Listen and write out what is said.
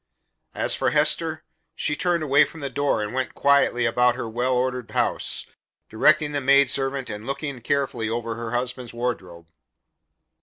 As for Hester, she turned away from the door and went quietly about her well ordered house, directing the maidservant and looking carefully over her husband's wardrobe.